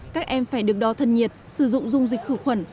các em phải được đo thân nhiệt sử dụng dung dịch khử khuẩn